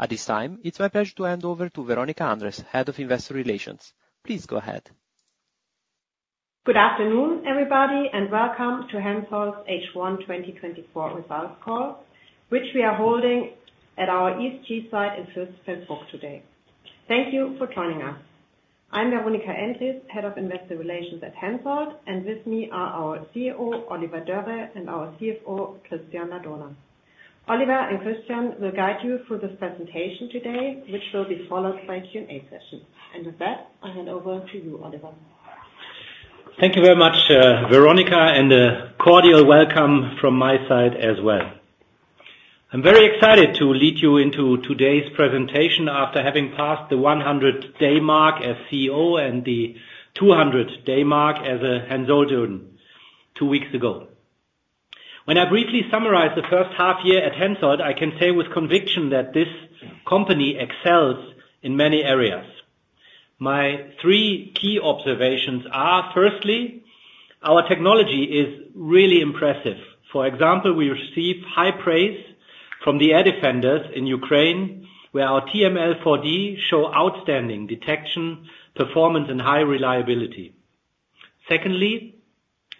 At this time, it's my pleasure to hand over to Veronika Endres, Head of Investor Relations. Please go ahead. Good afternoon, everybody, and welcome to HENSOLDT's H1 2024 results call, which we are holding at our ESG site in Fürstenfeldbruck today. Thank you for joining us. I'm Veronika Endres, Head of Investor Relations at HENSOLDT, and with me are our CEO, Oliver Dörre, and our CFO, Christian Ladurner. Oliver and Christian will guide you through this presentation today, which will be followed by a Q&A session. And with that, I hand over to you, Oliver. Thank you very much, Veronika, and a cordial welcome from my side as well. I'm very excited to lead you into today's presentation after having passed the 100-day mark as CEO and the 200-day mark as a HENSOLDTIAN two weeks ago. When I briefly summarize the first half year at HENSOLDT, I can say with conviction that this company excels in many areas. My three key observations are, firstly, our technology is really impressive. For example, we receive high praise from the air defenders in Ukraine, where our TRML-4D shows outstanding detection, performance, and high reliability. Secondly,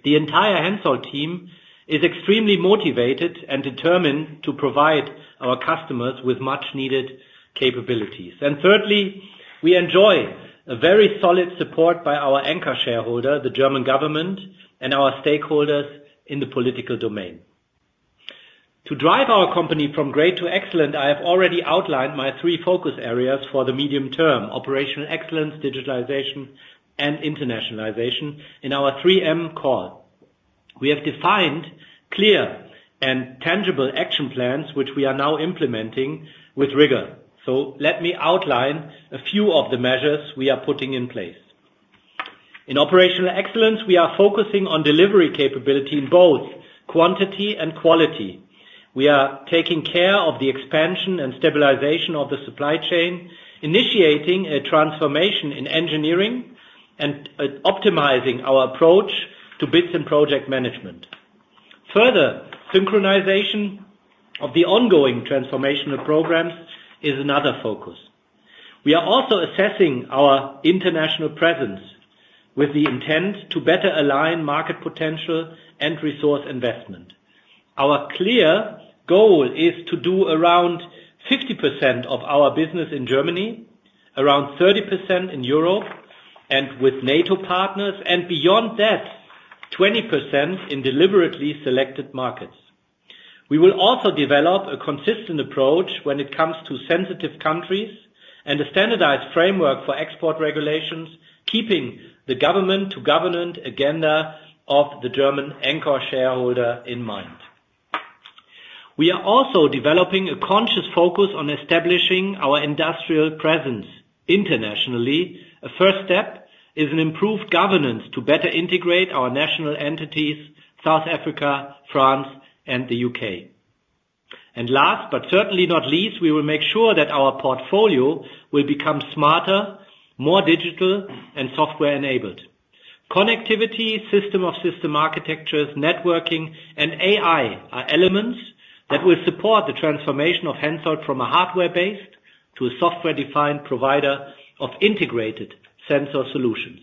the entire HENSOLDT team is extremely motivated and determined to provide our customers with much needed capabilities. And thirdly, we enjoy a very solid support by our anchor shareholder, the German government, and our stakeholders in the political domain. To drive our company from great to excellent, I have already outlined my three focus areas for the medium term: operational excellence, digitalization, and internationalization in our 3M call. We have defined clear and tangible action plans, which we are now implementing with rigor. So let me outline a few of the measures we are putting in place. In operational excellence, we are focusing on delivery capability in both quantity and quality. We are taking care of the expansion and stabilization of the supply chain, initiating a transformation in engineering, and optimizing our approach to bids and project management. Further, synchronization of the ongoing transformational programs is another focus. We are also assessing our international presence with the intent to better align market potential and resource investment. Our clear goal is to do around 50% of our business in Germany, around 30% in Europe and with NATO partners, and beyond that, 20% in deliberately selected markets. We will also develop a consistent approach when it comes to sensitive countries and a standardized framework for export regulations, keeping the government to government agenda of the German anchor shareholder in mind. We are also developing a conscious focus on establishing our industrial presence internationally. A first step is an improved governance to better integrate our national entities, South Africa, France, and the U.K. And last, but certainly not least, we will make sure that our portfolio will become smarter, more digital, and software-enabled. Connectivity, system of system architectures, networking, and AI are elements that will support the transformation of HENSOLDT from a hardware-based to a software-defined provider of integrated sensor solutions.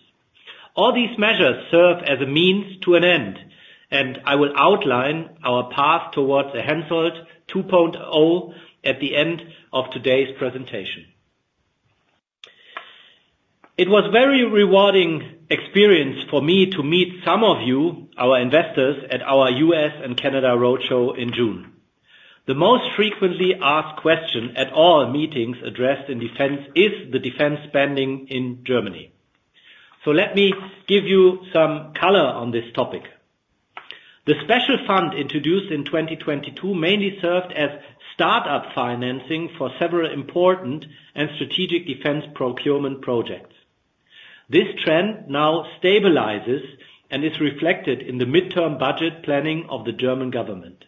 All these measures serve as a means to an end, and I will outline our path towards the HENSOLDT 2.0 at the end of today's presentation. It was very rewarding experience for me to meet some of you, our investors, at our U.S. and Canada roadshow in June. The most frequently asked question at all meetings addressed in defense is the defense spending in Germany. So let me give you some color on this topic. The special fund introduced in 2022 mainly served as startup financing for several important and strategic defense procurement projects. This trend now stabilizes and is reflected in the midterm budget planning of the German government.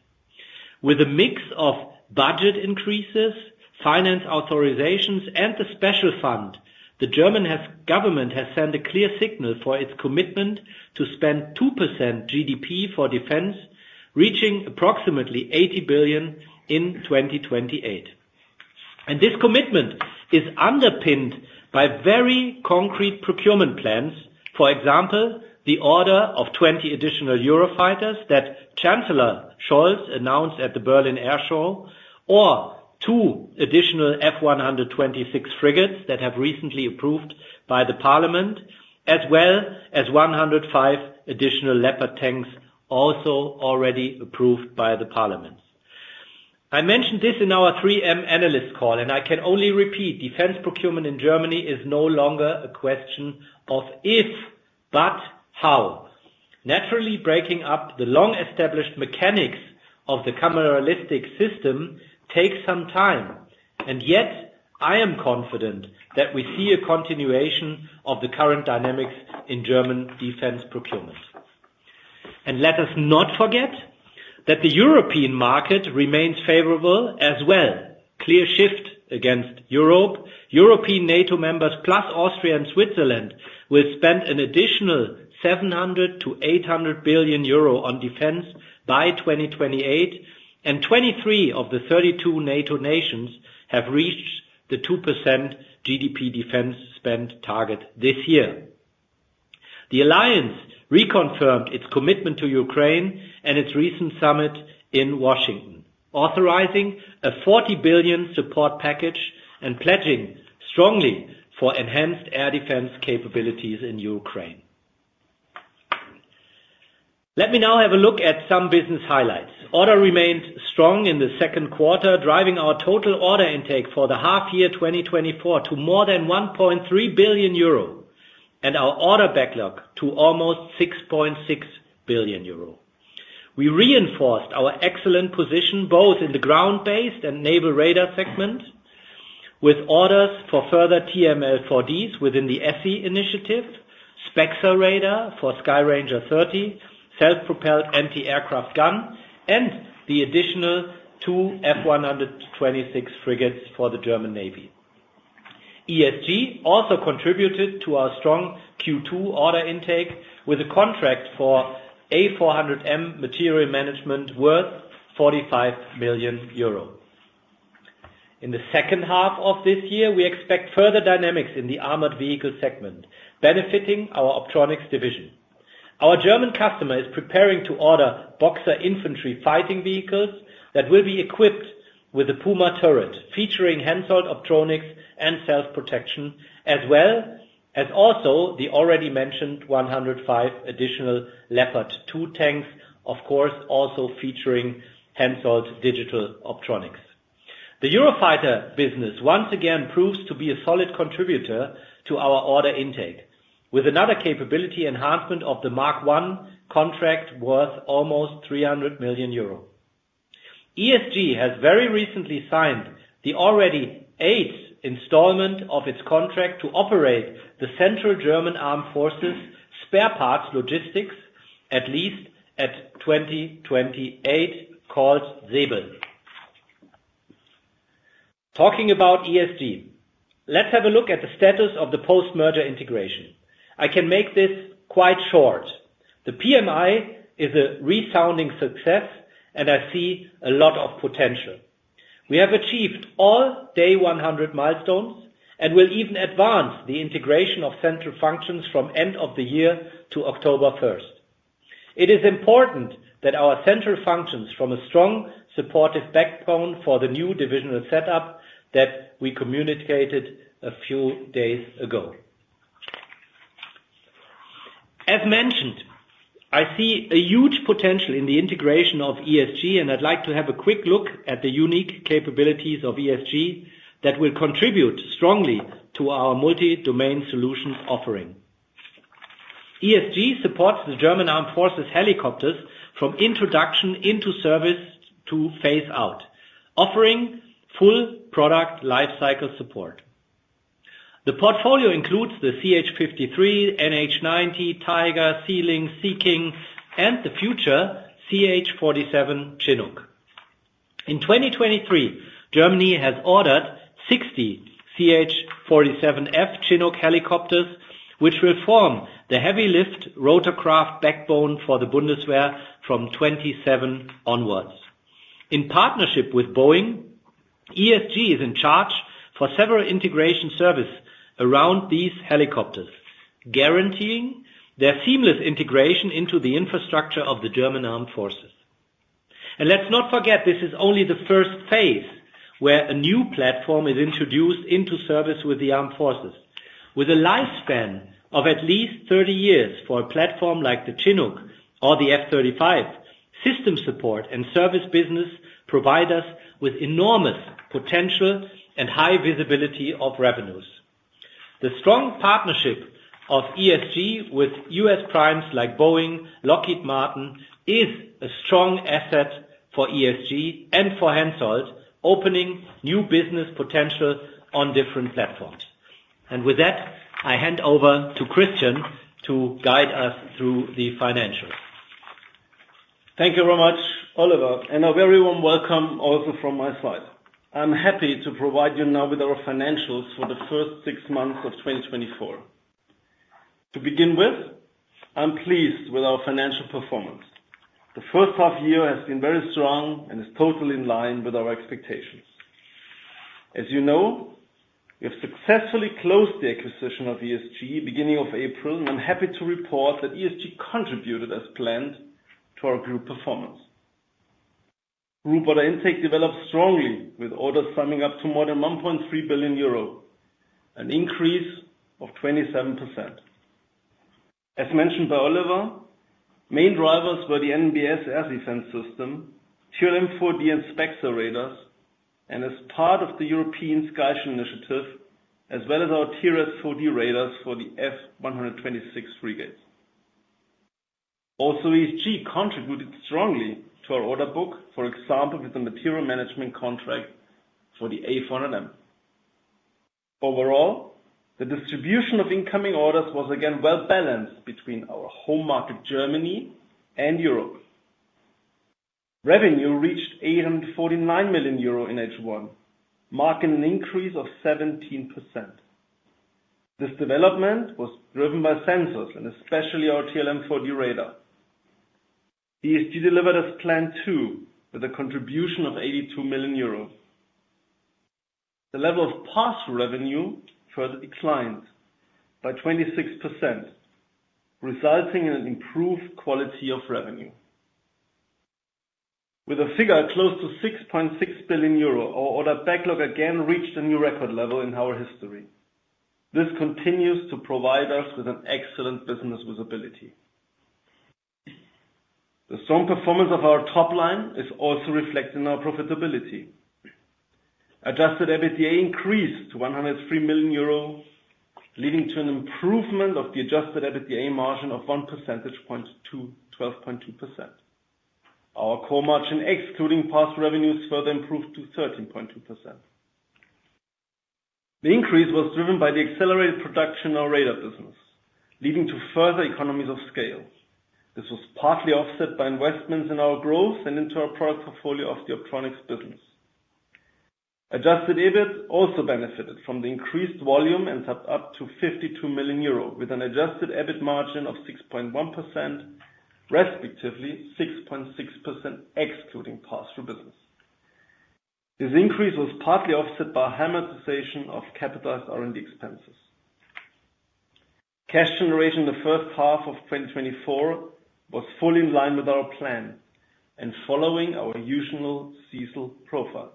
With a mix of budget increases, finance authorizations, and the special fund, the German government has sent a clear signal for its commitment to spend 2% GDP for defense, reaching approximately 80 billion in 2028. And this commitment is underpinned by very concrete procurement plans. For example, the order of 20 additional Eurofighters that Chancellor Scholz announced at the Berlin Air Show, or two additional F-126 frigates that have recently approved by the parliament, as well as 105 additional Leopard tanks, also already approved by the parliament. I mentioned this in our 3M analyst call, and I can only repeat, defense procurement in Germany is no longer a question of if, but how. Naturally, breaking up the long-established mechanics of the cameralistic system takes some time, and yet, I am confident that we see a continuation of the current dynamics in German defense procurement. Let us not forget that the European market remains favorable as well. Clear shifts against Europe, European NATO members, plus Austria and Switzerland, will spend an additional 700 billion-800 billion euro on defense by 2028, and 23 of the 32 NATO nations have reached the 2% GDP defense spend target this year. The alliance reconfirmed its commitment to Ukraine and its recent summit in Washington, authorizing a 40 billion support package and pledging strongly for enhanced air defense capabilities in Ukraine. Let me now have a look at some business highlights. Order remained strong in the second quarter, driving our total order intake for the half year 2024 to more than 1.3 billion euro, and our order backlog to almost 6.6 billion euro. We reinforced our excellent position, both in the ground-based and naval radar segment, with orders for further TRML-4Ds within the ESSI initiative, SPEXER radar for Skyranger 30, self-propelled anti-aircraft gun, and the additional two F126 frigates for the German Navy. ESG also contributed to our strong Q2 order intake, with a contract for A400M material management worth 45 million euro. In the second half of this year, we expect further dynamics in the armored vehicle segment, benefiting our optronics division. Our German customer is preparing to order Boxer infantry fighting vehicles that will be equipped with a Puma turret, featuring HENSOLDT optronics and self-protection, as well as also the already mentioned 105 additional Leopard 2 tanks. Of course, also featuring HENSOLDT's digital optronics. The Eurofighter business once again proves to be a solid contributor to our order intake, with another capability enhancement of the Mark I contract worth almost 300 million euro. ESG has very recently signed the already eighth installment of its contract to operate the central German Armed Forces spare parts logistics, at least at 2028, called ZEBEL. Talking about ESG, let's have a look at the status of the post-merger integration. I can make this quite short. The PMI is a resounding success, and I see a lot of potential. We have achieved all day 100 milestones, and will even advance the integration of central functions from end of the year to October first. It is important that our central functions form a strong, supportive backbone for the new divisional setup that we communicated a few days ago. As mentioned, I see a huge potential in the integration of ESG, and I'd like to have a quick look at the unique capabilities of ESG that will contribute strongly to our multi-domain solution offering. ESG supports the German Armed Forces helicopters from introduction into service to phase out, offering full product life cycle support. The portfolio includes the CH-53, NH90, Tiger, Sea Lynx, Sea King, and the future CH-47 Chinook. In 2023, Germany has ordered 60 CH-47F Chinook helicopters, which will form the heavy lift rotorcraft backbone for the Bundeswehr from 2027 onwards. In partnership with Boeing, ESG is in charge for several integration services around these helicopters, guaranteeing their seamless integration into the infrastructure of the German Armed Forces. Let's not forget, this is only the first phase, where a new platform is introduced into service with the Armed Forces. With a lifespan of at least 30 years for a platform like the Chinook or the F-35, system support and service business provide us with enormous potential and high visibility of revenues. The strong partnership of ESG with US primes like Boeing, Lockheed Martin, is a strong asset for ESG and for HENSOLDT, opening new business potential on different platforms. With that, I hand over to Christian to guide us through the financials. Thank you very much, Oliver, and a very warm welcome also from my side. I'm happy to provide you now with our financials for the first six months of 2024. To begin with, I'm pleased with our financial performance. The first half year has been very strong and is totally in line with our expectations. As you know, we have successfully closed the acquisition of ESG, beginning of April, and I'm happy to report that ESG contributed as planned to our group performance. Group order intake developed strongly, with orders summing up to more than 1.3 billion euro, an increase of 27%. As mentioned by Oliver, main drivers were the NNbS air defense system, TRML-4D and SPEXER radars, and as part of the European Sky Shield initiative, as well as our TRS-4D radars for the F126 frigates. Also, ESG contributed strongly to our order book, for example, with the material management contract for the A400M. Overall, the distribution of incoming orders was again well balanced between our home market, Germany and Europe. Revenue reached 849 million euro in H1, marking an increase of 17%. This development was driven by sensors, and especially our TRML-4D radar. ESG delivered as planned too, with a contribution of 82 million euros. The level of pass-through revenue further declined by 26%, resulting in an improved quality of revenue. With a figure close to 6.6 billion euro, our order backlog again reached a new record level in our history. This continues to provide us with an excellent business visibility. The strong performance of our top line is also reflected in our profitability. Adjusted EBITDA increased to 103 million euro, leading to an improvement of the adjusted EBITDA margin of 1 percentage point to 12.2%. Our core margin, excluding pass-through revenues, further improved to 13.2%. The increase was driven by the accelerated production of radar business, leading to further economies of scale. This was partly offset by investments in our growth and into our product portfolio of the Optronics business. Adjusted EBIT also benefited from the increased volume and set up to 52 million euro, with an adjusted EBIT margin of 6.1%, respectively 6.6%, excluding pass-through business. This increase was partly offset by amortization of capitalized R&D expenses. Cash generation in the first half of 2024 was fully in line with our plan and following our usual seasonal profile,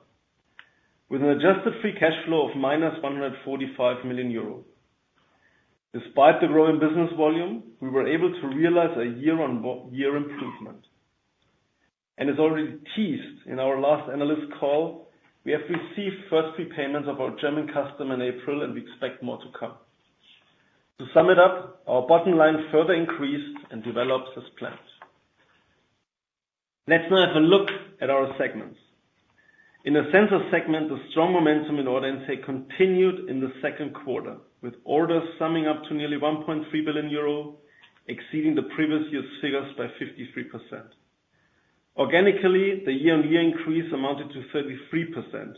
with an adjusted free cash flow of -145 million euro. Despite the growing business volume, we were able to realize a year-on-year improvement. And as already teased in our last analyst call, we have received first prepayments of our German customer in April, and we expect more to come. To sum it up, our bottom line further increased and developed as planned. Let's now have a look at our segments. In the sensor segment, the strong momentum in order intake continued in the second quarter, with orders summing up to nearly 1.3 billion euro, exceeding the previous year's figures by 53%. Organically, the year-on-year increase amounted to 33%,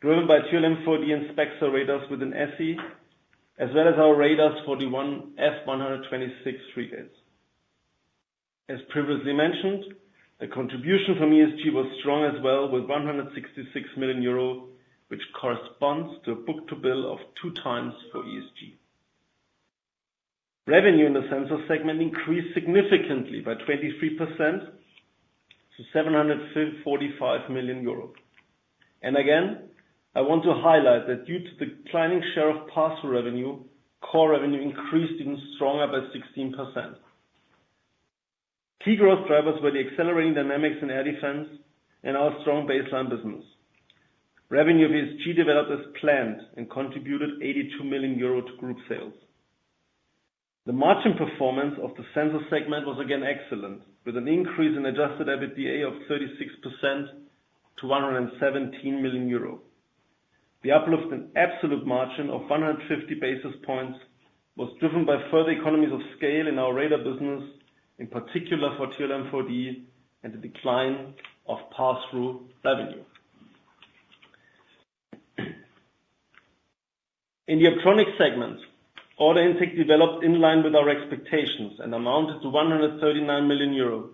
driven by TRML-4D and SPEXER radars within ESSI, as well as our TRS-4D for F126 radars. As previously mentioned, the contribution from ESG was strong as well, with 166 million euro, which corresponds to a book-to-bill of 2x for ESG. Revenue in the sensor segment increased significantly by 23% to 745 million euros. Again, I want to highlight that due to the declining share of pass-through revenue, core revenue increased even stronger by 16%. Key growth drivers were the accelerating dynamics in air defense and our strong baseline business. Revenue of ESG developed as planned and contributed 82 million euro to group sales. The margin performance of the sensor segment was again excellent, with an increase in adjusted EBITDA of 36% to 117 million euro. The uplift in absolute margin of 150 basis points was driven by further economies of scale in our radar business, in particular for TRML-4D, and the decline of pass-through revenue. In the Optronics segment, order intake developed in line with our expectations and amounted to 139 million euros.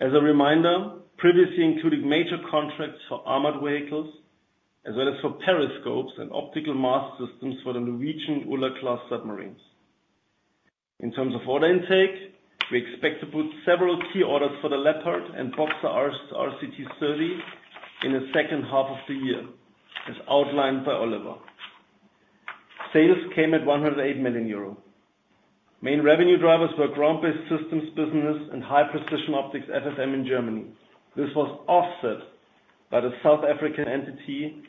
As a reminder, previously including major contracts for armored vehicles, as well as for periscopes and optical mast systems for the Norwegian Ula-class submarines. In terms of order intake, we expect to book several key orders for the Leopard and Boxer, Skyranger 30 in the second half of the year, as outlined by Oliver. Sales came at 108 million euro. Main revenue drivers were ground-based systems, business, and high-precision optics, FSM in Germany. This was offset by the South African entity,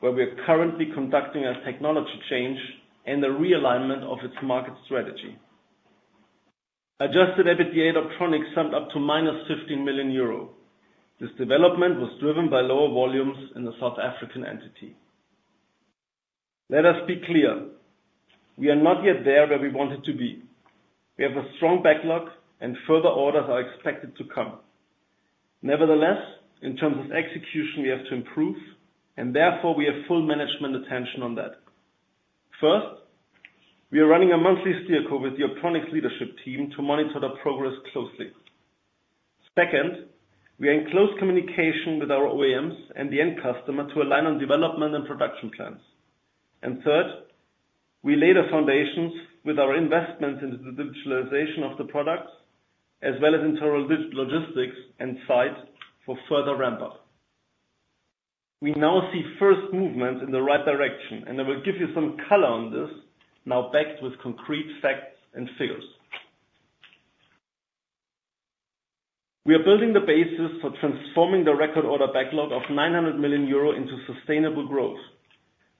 where we are currently conducting a technology change and a realignment of its market strategy. Adjusted EBITDA Optronics summed up to -15 million euro. This development was driven by lower volumes in the South African entity. Let us be clear, we are not yet there where we wanted to be. We have a strong backlog, and further orders are expected to come. Nevertheless, in terms of execution, we have to improve, and therefore we have full management attention on that. First, we are running a monthly steerco with the Optronics leadership team to monitor the progress closely. Second, we are in close communication with our OEMs and the end customer to align on development and production plans. And third, we lay the foundations with our investments in the digitalization of the products, as well as internal digital logistics and sites for further ramp-up. We now see first movements in the right direction, and I will give you some color on this, now backed with concrete facts and figures. We are building the basis for transforming the record order backlog of 900 million euro into sustainable growth.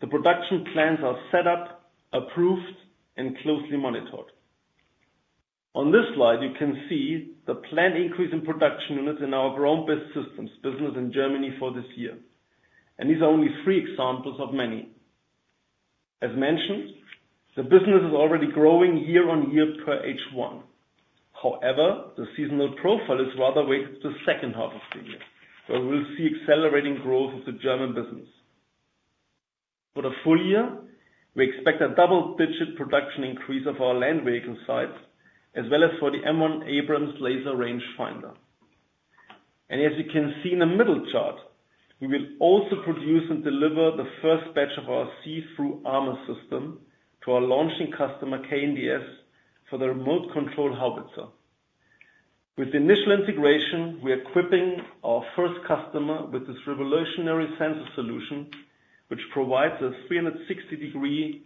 The production plans are set up, approved, and closely monitored. On this slide, you can see the planned increase in production units in our ground-based systems business in Germany for this year, and these are only three examples of many. As mentioned, the business is already growing year-on-year per H1. However, the seasonal profile is rather weak the second half of the year, where we'll see accelerating growth of the German business. For the full year, we expect a double-digit production increase of our land vehicle side, as well as for the M1 Abrams laser range finder. As you can see in the middle chart, we will also produce and deliver the first batch of our see-through armor system to our launching customer, KNDS, for the remote-controlled howitzer. With the initial integration, we are equipping our first customer with this revolutionary sensor solution, which provides a 360-degree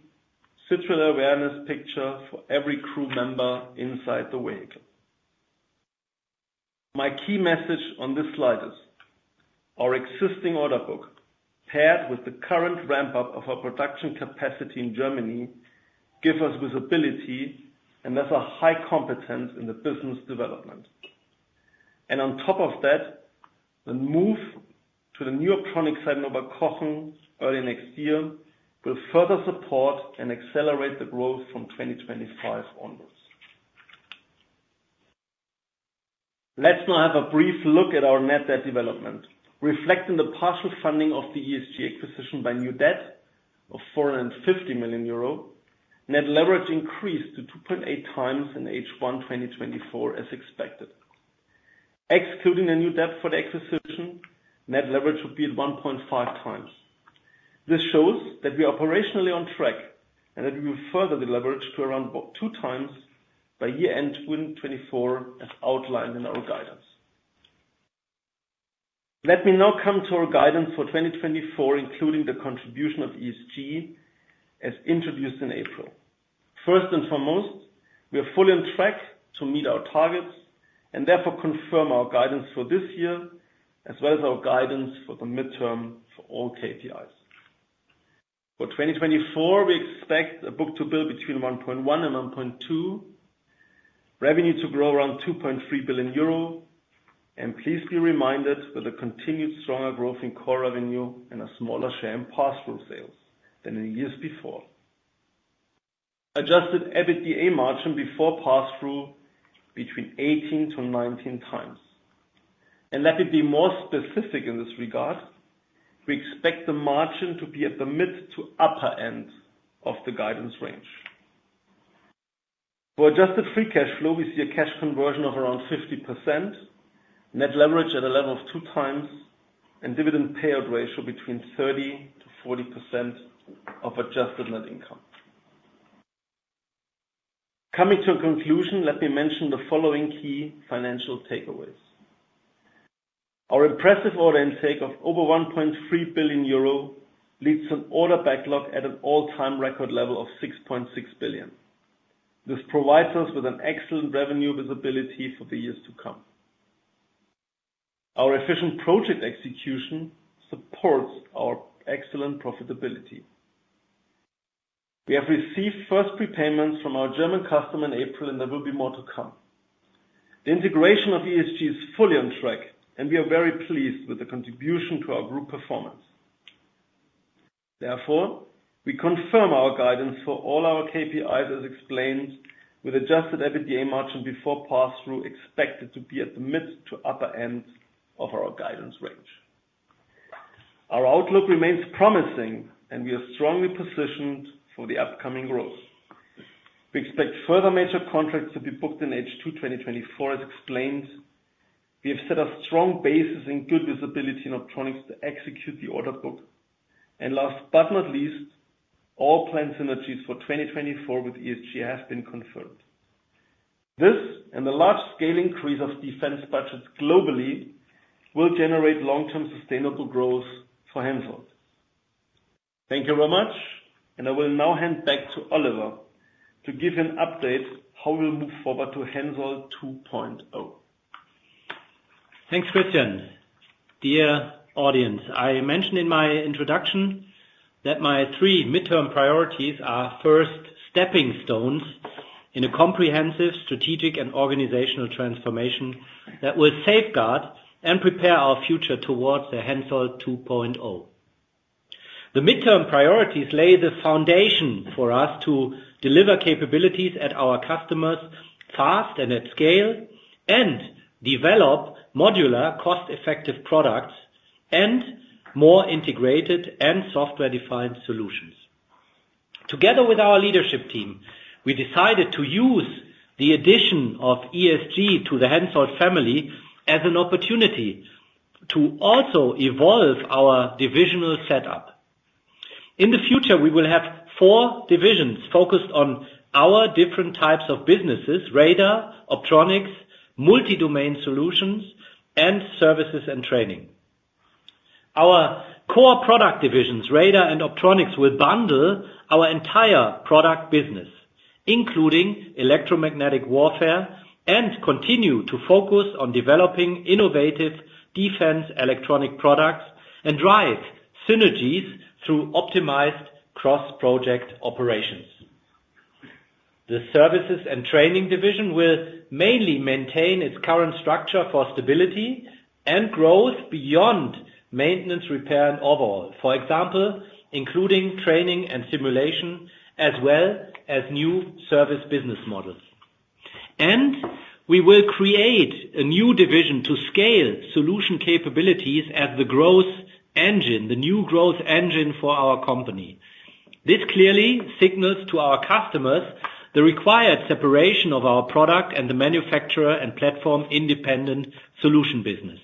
central awareness picture for every crew member inside the vehicle. My key message on this slide is, our existing order book, paired with the current ramp-up of our production capacity in Germany, give us visibility and thus a high competence in the business development. And on top of that, the move to the new Optronics site in Oberkochen early next year will further support and accelerate the growth from 2025 onwards. Let's now have a brief look at our net debt development. Reflecting the partial funding of the ESG acquisition by new debt of 450 million euro, net leverage increased to 2.8x in H1 2024, as expected. Excluding the new debt for the acquisition, net leverage will be at 1.5x. This shows that we are operationally on track, and that we will further the leverage to around about 2x by year-end 2024, as outlined in our guidance. Let me now come to our guidance for 2024, including the contribution of ESG, as introduced in April. First and foremost, we are fully on track to meet our targets, and therefore confirm our guidance for this year, as well as our guidance for the midterm for all KPIs. For 2024, we expect a book-to-bill between 1.1 and 1.2. Revenue to grow around 2.3 billion euro, and please be reminded that the continued stronger growth in core revenue and a smaller share in pass-through sales than in years before. Adjusted EBITDA margin before pass-through between 18%-19%. And let me be more specific in this regard, we expect the margin to be at the mid- to upper-end of the guidance range. For adjusted free cash flow, we see a cash conversion of around 50%, net leverage at a level of 2x, and dividend payout ratio between 30%-40% of adjusted net income. Coming to a conclusion, let me mention the following key financial takeaways: Our impressive order intake of over 1.3 billion euro leads an order backlog at an all-time record level of 6.6 billion. This provides us with an excellent revenue visibility for the years to come. Our efficient project execution supports our excellent profitability. We have received first prepayments from our German customer in April, and there will be more to come. The integration of ESG is fully on track, and we are very pleased with the contribution to our group performance. Therefore, we confirm our guidance for all our KPIs, as explained, with adjusted EBITDA margin before pass-through, expected to be at the mid to upper end of our guidance range. Our outlook remains promising, and we are strongly positioned for the upcoming growth. We expect further major contracts to be booked in H2 2024, as explained. We have set a strong basis and good visibility in Optronics to execute the order book. And last but not least, all planned synergies for 2024 with ESG has been confirmed. This and the large scale increase of defense budgets globally, will generate long-term sustainable growth for HENSOLDT. Thank you very much, and I will now hand back to Oliver to give an update how we'll move forward to HENSOLDT 2.0. Thanks, Christian. Dear audience, I mentioned in my introduction that my three midterm priorities are first stepping stones in a comprehensive, strategic, and organizational transformation that will safeguard and prepare our future towards the HENSOLDT 2.0. The midterm priorities lay the foundation for us to deliver capabilities at our customers fast and at scale, and develop modular, cost-effective products, and more integrated and software-defined solutions. Together with our leadership team, we decided to use the addition of ESG to the HENSOLDT family as an opportunity to also evolve our divisional setup. In the future, we will have four divisions focused on our different types of businesses: radar, optronics, multi-domain solutions, and services and training. Our core product divisions, radar and optronics, will bundle our entire product business, including electromagnetic warfare, and continue to focus on developing innovative defense electronic products, and drive synergies through optimized cross-project operations.... The services and training division will mainly maintain its current structure for stability and growth beyond maintenance, repair, and overhaul. For example, including training and simulation, as well as new service business models. We will create a new division to scale solution capabilities as the growth engine, the new growth engine for our company. This clearly signals to our customers the required separation of our product and the manufacturer and platform-independent solution business.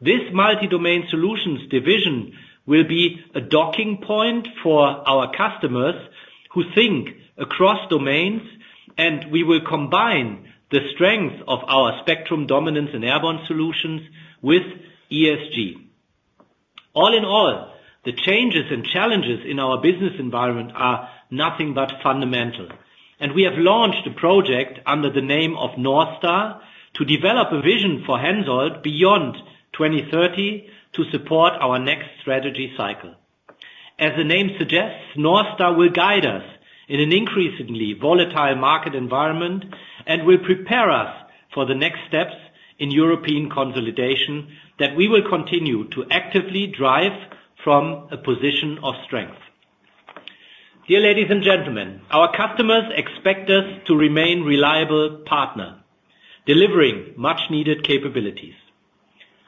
This multi-domain solutions division will be a docking point for our customers who think across domains, and we will combine the strength of our spectrum dominance and airborne solutions with ESG. All in all, the changes and challenges in our business environment are nothing but fundamental, and we have launched a project under the name of North Star, to develop a vision for HENSOLDT beyond 2030, to support our next strategy cycle. As the name suggests, North Star will guide us in an increasingly volatile market environment, and will prepare us for the next steps in European consolidation that we will continue to actively drive from a position of strength. Dear ladies and gentlemen, our customers expect us to remain a reliable partner, delivering much needed capabilities.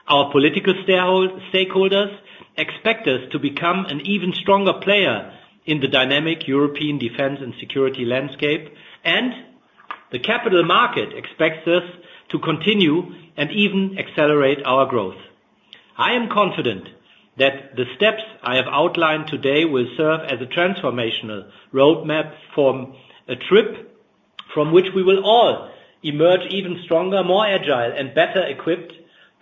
Our political stakeholders expect us to become an even stronger player in the dynamic European defense and security landscape, and the capital market expects us to continue and even accelerate our growth. I am confident that the steps I have outlined today will serve as a transformational roadmap for HENSOLDT, from which we will all emerge even stronger, more agile, and better equipped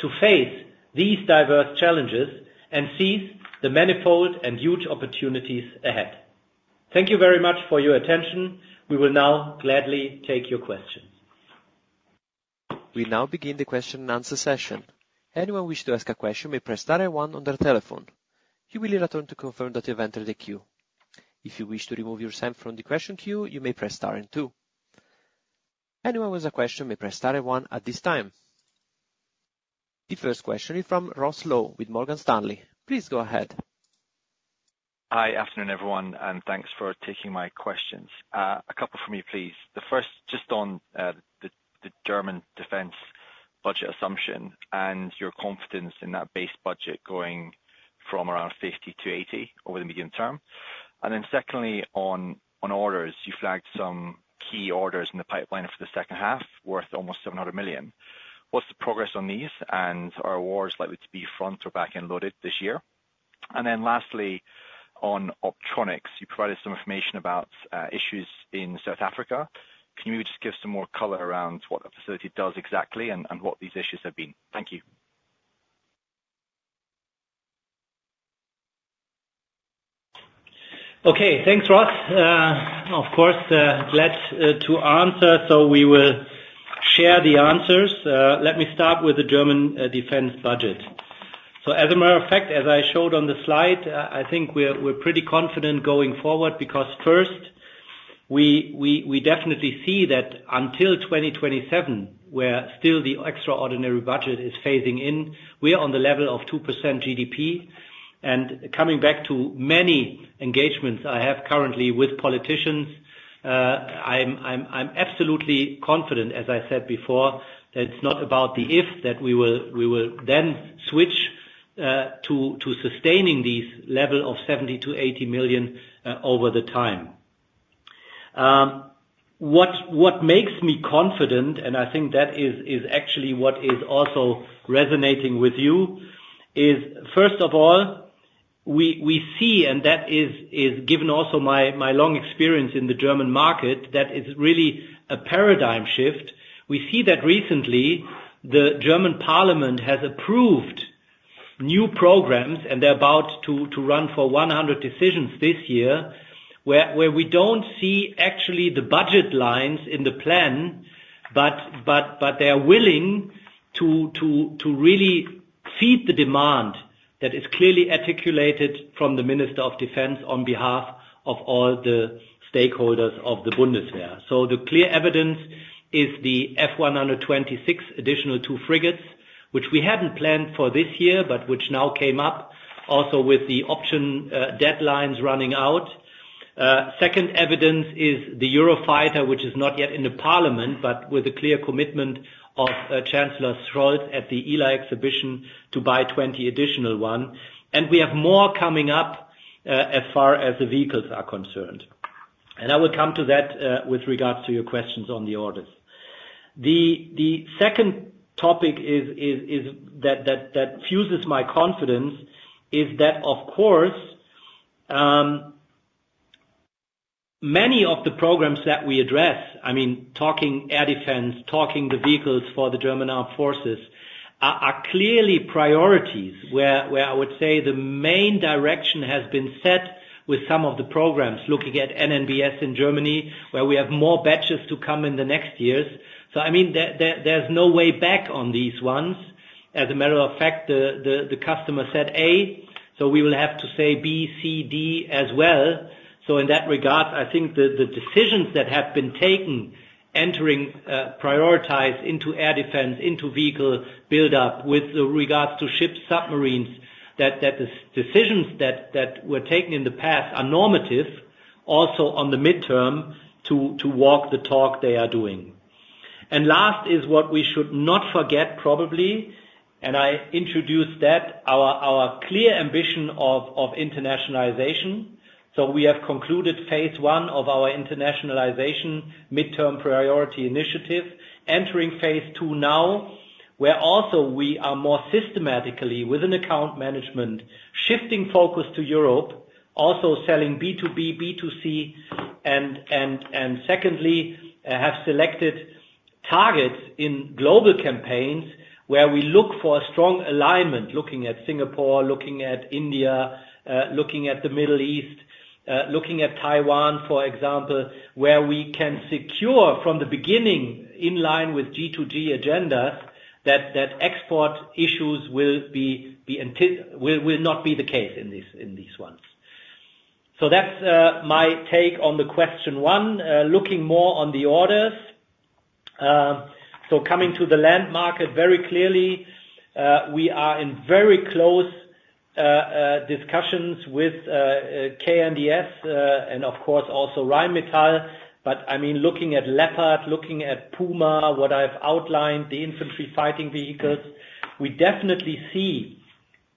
to face these diverse challenges and seize the manifold and huge opportunities ahead. Thank you very much for your attention. We will now gladly take your questions. We now begin the question and answer session. Anyone wish to ask a question may press star and one on their telephone. You will be returned to confirm that you have entered the queue. If you wish to remove yourself from the question queue, you may press star and two. Anyone with a question may press star and one at this time. The first question is from Ross Law with Morgan Stanley. Please go ahead. Hi. Afternoon, everyone, and thanks for taking my questions. A couple from me, please. The first, just on the German defense budget assumption and your confidence in that base budget going from around 50 to 80 over the medium term. Then secondly, on orders. You flagged some key orders in the pipeline for the second half, worth almost 700 million. What's the progress on these? And are awards likely to be front- or back-end loaded this year? Then lastly, on optronics, you provided some information about issues in South Africa. Can you just give some more color around what the facility does exactly, and what these issues have been? Thank you. Okay. Thanks, Ross. Of course, glad to answer, so we will share the answers. Let me start with the German defense budget. So as a matter of fact, as I showed on the slide, I think we're pretty confident going forward, because first, we definitely see that until 2027, we're still the extraordinary budget is phasing in, we are on the level of 2% GDP. And coming back to many engagements I have currently with politicians, I'm absolutely confident, as I said before, that it's not about the if, that we will then switch to sustaining these level of 70 million-80 million over the time. What makes me confident, and I think that is actually what is also resonating with you, is, first of all, we see, and that is given also my long experience in the German market, that is really a paradigm shift. We see that recently, the German parliament has approved new programs, and they're about to run for 100 decisions this year, where we don't see actually the budget lines in the plan, but they are willing to really feed the demand that is clearly articulated from the Minister of Defense on behalf of all the stakeholders of the Bundeswehr. So the clear evidence is the F-126 additional two frigates, which we hadn't planned for this year, but which now came up also with the option, deadlines running out. Second evidence is the Eurofighter, which is not yet in the parliament, but with a clear commitment of Chancellor Scholz at the ILA exhibition, to buy 20 additional one. We have more coming up, as far as the vehicles are concerned. I will come to that, with regards to your questions on the orders. The second topic is that fuels my confidence is that, of course, many of the programs that we address, I mean, talking air defense, talking the vehicles for the German armed forces, are clearly priorities, where I would say the main direction has been set with some of the programs, looking at NNbS in Germany, where we have more batches to come in the next years. So I mean, there, there's no way back on these ones. As a matter of fact, the customer said A, so we will have to say B, C, D, as well. So in that regard, I think the decisions that have been taken, entering prioritize into air defense, into vehicle build-up, with regards to ship submarines, that decisions that were taken in the past are normative, also on the midterm, to walk the talk they are doing. And last is what we should not forget, probably, and I introduced that, our clear ambition of internationalization. So we have concluded phase one of our internationalization midterm priority initiative, entering phase two now, where also we are more systematically with an account management, shifting focus to Europe, also selling B2B, B2C. Secondly, have selected targets in global campaigns, where we look for a strong alignment, looking at Singapore, looking at India, looking at the Middle East, looking at Taiwan, for example, where we can secure from the beginning, in line with G2G agenda, that export issues will not be the case in these ones. So that's my take on the question one. Looking more on the orders. So coming to the land market very clearly, we are in very close discussions with KNDS, and of course, also, Rheinmetall. But I mean, looking at Leopard, looking at Puma, what I've outlined, the infantry fighting vehicles, we definitely see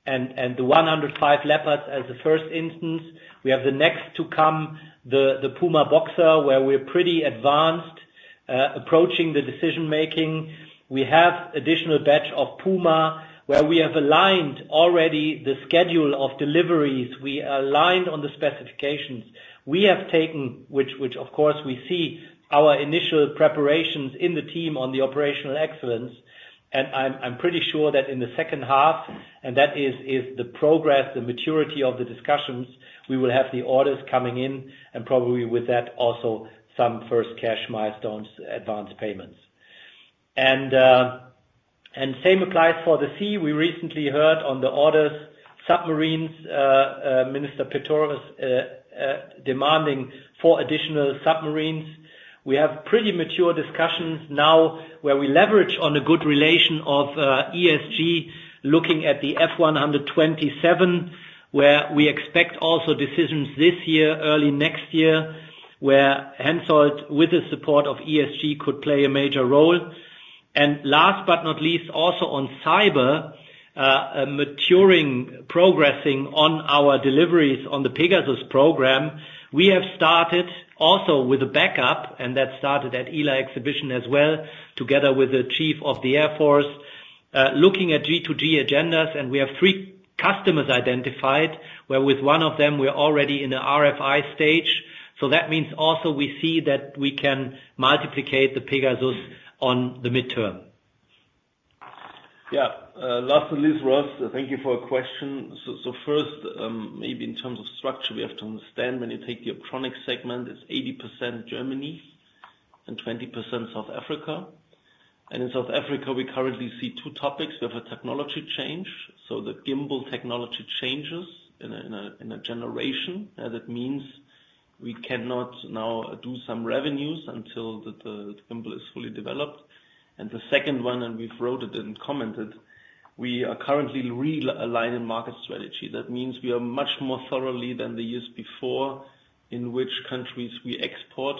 and the 105 Leopards as the first instance. We have the next to come, the Puma, Boxer, where we're pretty advanced, approaching the decision making. We have additional batch of Puma, where we have aligned already the schedule of deliveries. We are aligned on the specifications. We have taken, which of course we see our initial preparations in the team on the operational excellence. And I'm pretty sure that in the second half, and that is the progress, the maturity of the discussions, we will have the orders coming in, and probably with that, also some first cash milestones, advanced payments. And same applies for the sea. We recently heard on the orders, submarines, Minister Pistorius demanding four additional submarines. We have pretty mature discussions now, where we leverage on a good relation of ESG, looking at the F-127, where we expect also decisions this year, early next year, where HENSOLDT, with the support of ESG, could play a major role. And last but not least, also on cyber, a maturing, progressing on our deliveries on the PEGASUS program. We have started also with a backup, and that started at ILA exhibition as well, together with the Chief of the Air Force, looking at G2G agendas, and we have three customers identified, where with one of them, we're already in the RFI stage. So that means also we see that we can multiplicate the PEGASUS on the midterm. Yeah. Last, and least, Ross, thank you for your question. So first, maybe in terms of structure, we have to understand when you take the optronics segment, it's 80% Germany and 20% South Africa. And in South Africa, we currently see two topics. We have a technology change, so the gimbal technology changes in a generation. That means we cannot now do some revenues until the gimbal is fully developed. And the second one, and we've wrote it and commented, we are currently realigning market strategy. That means we are much more thoroughly than the years before, in which countries we export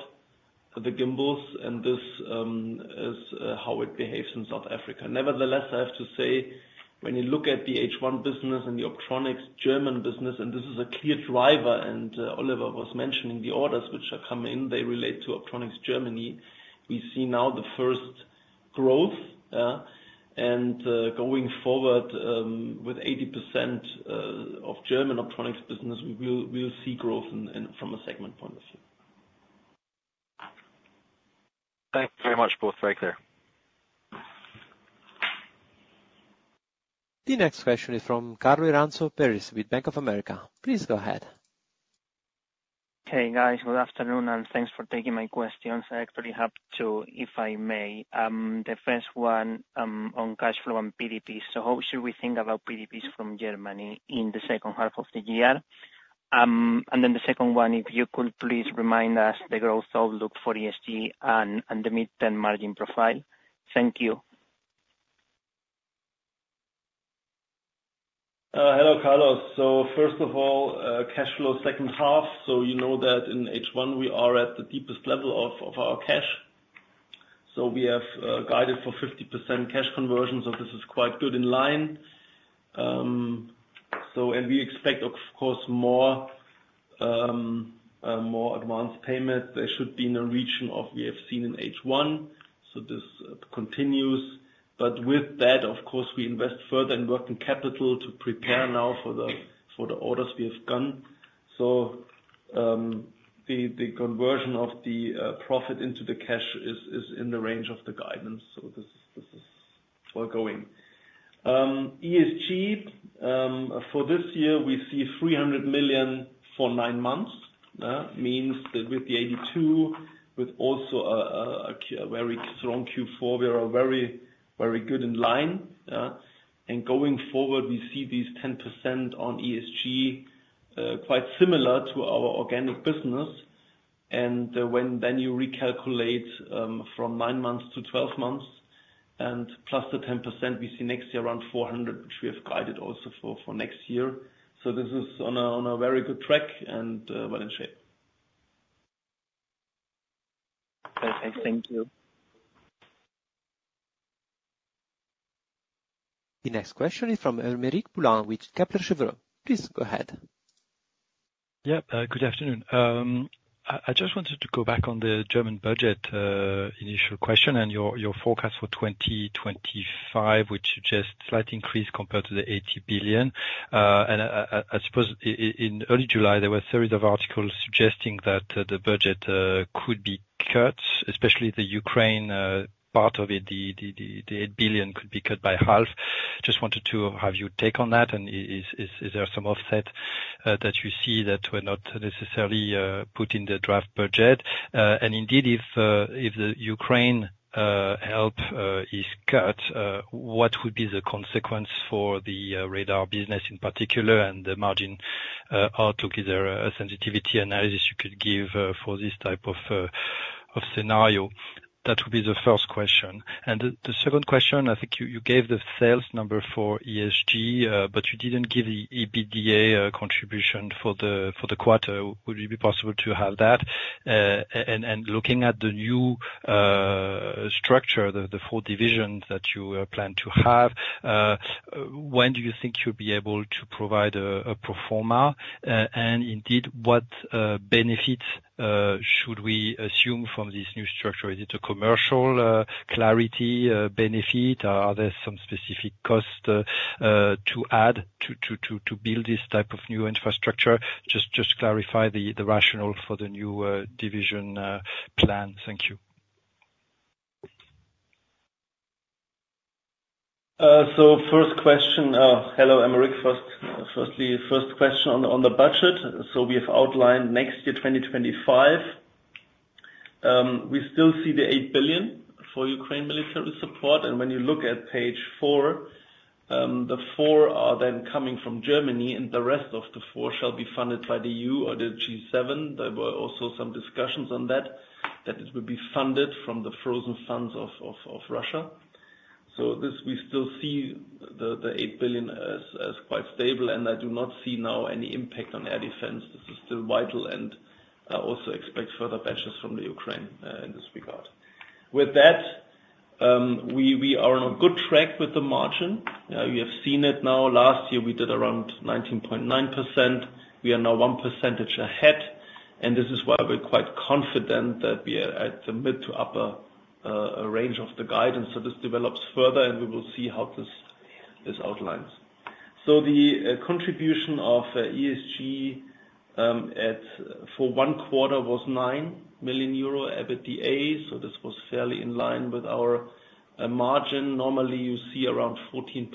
the gimbals, and this is how it behaves in South Africa. Nevertheless, I have to say, when you look at the H1 business and the Optronics German business, and this is a clear driver, and, Oliver was mentioning the orders which are coming in, they relate to Optronics Germany. We see now the first growth, and, going forward, with 80% of German Optronics business, we will, we will see growth in, in from a segment point of view. Thank you very much, both. Very clear. The next question is from Carlos Iranzo with Bank of America. Please go ahead. Hey, guys. Good afternoon, and thanks for taking my questions. I actually have two, if I may. The first one, on cash flow and PDPs. So how should we think about PDPs from Germany in the second half of the year? And then the second one, if you could please remind us the growth outlook for ESG and the midterm margin profile. Thank you. Hello, Carlos. So first of all, cash flow, second half. So you know that in H1, we are at the deepest level of our cash. So we have guided for 50% cash conversion, so this is quite good in line. So and we expect, of course, more advanced payment. They should be in the region of we have seen in H1, so this continues. But with that, of course, we invest further in working capital to prepare now for the orders we have gotten. So the conversion of the profit into the cash is in the range of the guidance, so this is ongoing. ESG, for this year, we see 300 million for nine months, means that with the 82, with also a very strong Q4, we are very, very good in line, and going forward, we see these 10% on ESG, quite similar to our organic business. When then you recalculate, from nine months to 12 months, and plus the 10%, we see next year around 400, which we have guided also for, for next year. So this is on a very good track and well in shape. Okay, thank you. The next question is from Aymeric Poulain with Kepler Cheuvreux. Please go ahead. Yeah, good afternoon. I just wanted to go back on the German budget initial question and your forecast for 2025, which suggests slight increase compared to the 80 billion. And I suppose in early July, there were a series of articles suggesting that the budget could be cut, especially the Ukraine part of it, the 8 billion could be cut by half. Just wanted to have your take on that, and is there some offset that you see that were not necessarily put in the draft budget? And indeed, if the Ukraine help is cut, what would be the consequence for the radar business in particular and the margin outlook? Is there a sensitivity analysis you could give for this type of scenario? That would be the first question. And the second question, I think you gave the sales number for ESG, but you didn't give the EBITDA contribution for the quarter. Would it be possible to have that? And looking at the new structure, the four divisions that you plan to have, when do you think you'll be able to provide a pro forma? And indeed, what benefits should we assume from this new structure? Is it a commercial clarity benefit, or are there some specific costs to add to build this type of new infrastructure? Just clarify the rationale for the new division plan. Thank you. So first question, hello, Aymeric. Firstly, first question on the budget. So we have outlined next year, 2025. We still see the 8 billion for Ukraine military support, and when you look at page four, the 4 billion are then coming from Germany, and the rest of the 4 billion shall be funded by the EU or the G7. There were also some discussions on that, that it will be funded from the frozen funds of Russia. So this, we still see the 8 billion as quite stable, and I do not see now any impact on air defense. This is still vital, and I also expect further batches from Ukraine, in this regard. With that, we are on a good track with the margin. You have seen it now. Last year, we did around 19.9%. We are now one percentage ahead, and this is why we're quite confident that we are at the mid to upper range of the guidance. So this develops further, and we will see how this outlines. So the contribution of ESG for one quarter was 9 million euro EBITDA, so this was fairly in line with our margin. Normally, you see around 14%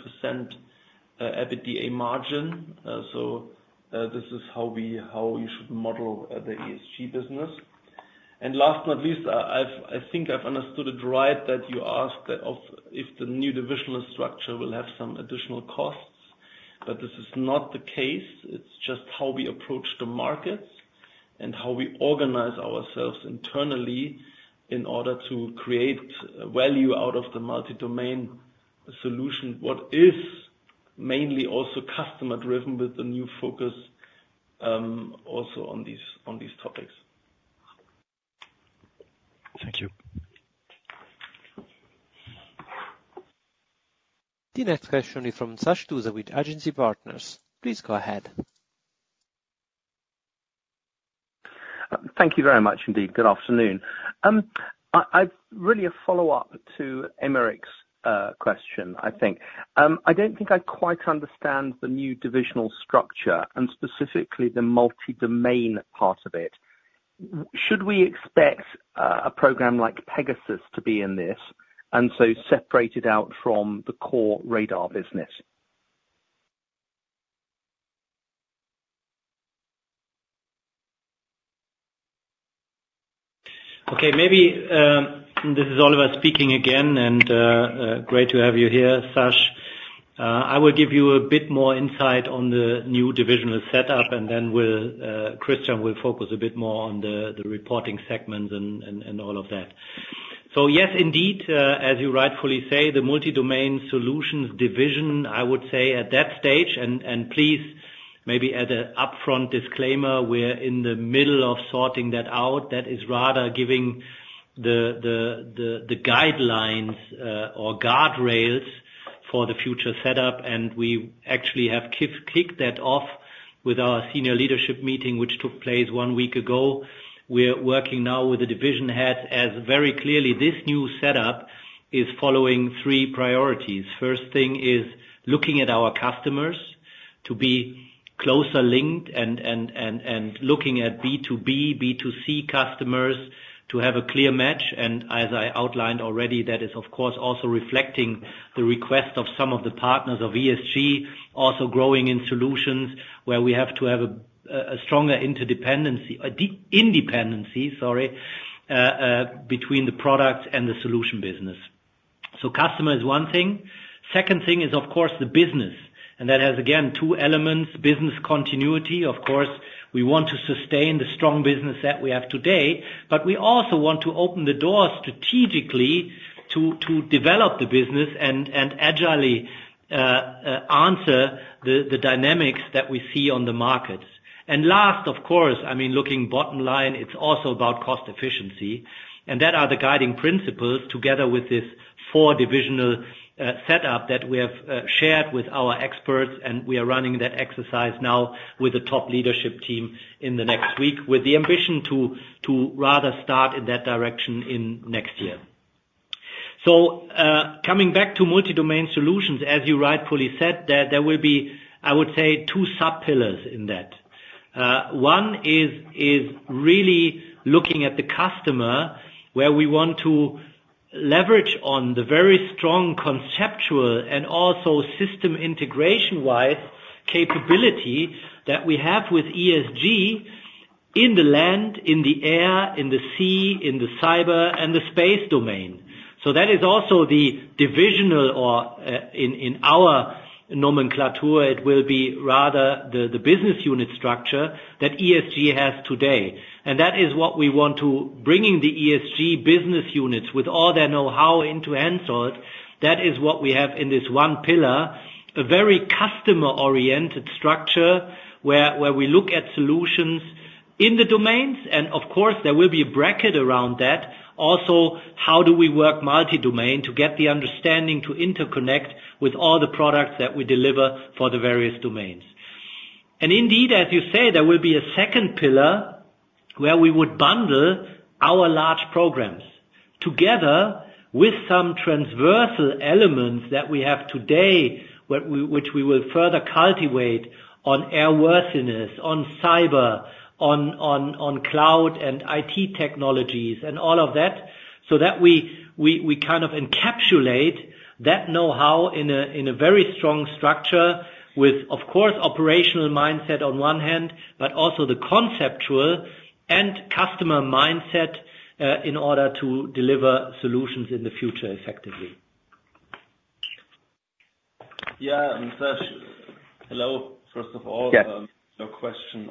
EBITDA margin, so this is how you should model the ESG business. And last not least, I think I've understood it right, that you asked if the new divisional structure will have some additional costs, but this is not the case. It's just how we approach the markets and how we organize ourselves internally in order to create value out of the multi-domain solution, what is mainly also customer driven with the new focus, also on these, on these topics. Thank you. The next question is from Sash Tusa with Agency Partners. Please go ahead. Thank you very much indeed. Good afternoon. I've really a follow-up to Aymeric's question, I think. I don't think I quite understand the new divisional structure and specifically the multi-domain part of it. Should we expect a program like Pegasus to be in this, and so separated out from the core radar business? Okay, maybe, this is Oliver speaking again, and, great to have you here, Sash. I will give you a bit more insight on the new divisional setup, and then we'll, Christian will focus a bit more on the reporting segments and all of that. So yes, indeed, as you rightfully say, the multi-domain solutions division, I would say at that stage, and please maybe add an upfront disclaimer, we're in the middle of sorting that out. That is rather giving the guidelines or guardrails for the future setup, and we actually have kicked that off with our senior leadership meeting, which took place one week ago. We're working now with the division heads, as very clearly, this new setup is following three priorities. First thing is looking at our customers.... to be closer linked and looking at B2B, B2C customers to have a clear match. And as I outlined already, that is, of course, also reflecting the request of some of the partners of ESG, also growing in solutions where we have to have a stronger interdependency, a dependency, sorry, between the products and the solution business. So customer is one thing. Second thing is, of course, the business, and that has, again, two elements: business continuity. Of course, we want to sustain the strong business that we have today, but we also want to open the door strategically to develop the business and agilely answer the dynamics that we see on the markets. And last, of course, I mean, looking bottom line, it's also about cost efficiency. And that are the guiding principles, together with this four divisional setup that we have shared with our experts, and we are running that exercise now with the top leadership team in the next week, with the ambition to rather start in that direction in next year. So, coming back to multi-domain solutions, as you rightfully said, there will be, I would say, two sub-pillars in that. One is really looking at the customer, where we want to leverage on the very strong, conceptual, and also system integration-wide capability that we have with ESG in the land, in the air, in the sea, in the cyber, and the space domain. So that is also the divisional, or, in our nomenclature, it will be rather the business unit structure that ESG has today. That is what we want to bring the ESG business units with all their know-how into HENSOLDT. That is what we have in this one pillar, a very customer-oriented structure, where we look at solutions in the domains, and of course, there will be a bracket around that. Also, how do we work multi-domain to get the understanding, to interconnect with all the products that we deliver for the various domains? And indeed, as you say, there will be a second pillar where we would bundle our large programs together with some transversal elements that we have today, which we will further cultivate on airworthiness, on cyber, on cloud and IT technologies, and all of that, so that we kind of encapsulate that know-how in a very strong structure with, of course, operational mindset on one hand, but also the conceptual and customer mindset, in order to deliver solutions in the future effectively. Yeah, and, Sash, hello. First of all- Yes. Your question